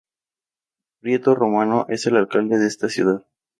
Pietro Romano es el alcalde de esta ciudad.